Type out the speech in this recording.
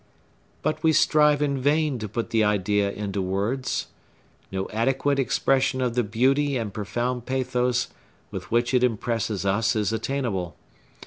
But we strive in vain to put the idea into words. No adequate expression of the beauty and profound pathos with which it impresses us is attainable.